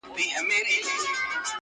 پوروړی د مور مېړه دئ.